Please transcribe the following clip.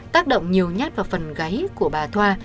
tác động nhiều nhát vào phần gáy của bà thoa